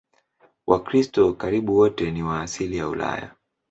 Wakristo karibu wote ni wa asili ya Ulaya.